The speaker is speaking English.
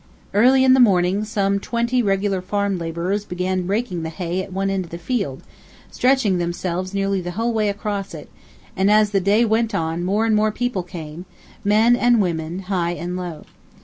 Early in the morning some twenty regular farm laborers began raking the hay at one end of the field, stretching themselves nearly the whole way across it, and as the day went on more and more people came, men and women, high and low.